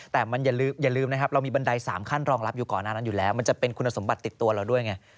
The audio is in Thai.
แต่มันอย่าลืมนะครับเรามีบันได๓ขั้นรองรับอยู่ก่อนหน้านั้นอยู่แล้วมันจะเป็นคุณสมบัติติดตัวเราด้วยไง